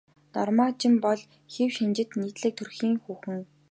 Норма Жин бол хэв шинжит нийтлэг төрхийн хүүхэн.